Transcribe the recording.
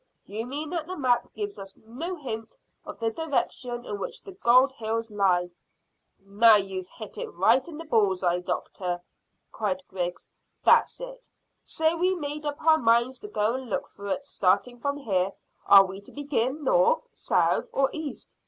You mean that the map gives us no hint of the direction in which the gold hills lie." "Now you've hit it right in the bull's eye, doctor," cried Griggs. "That's it. Say we made up our minds to go and look for it, starting from here, are we to begin north, south, or east?